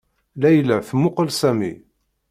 Layla temmuqqel Sami.